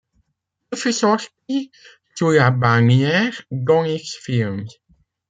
Il fut sorti sous la bannière d'Onyx Films.